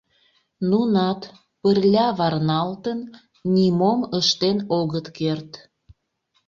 Нунат, пырля варналтын, нимом ыштен огыт керт.